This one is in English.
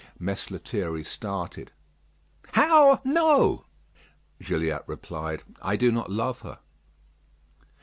Mess Lethierry started. "How, no!" Gilliatt replied: "I do not love her."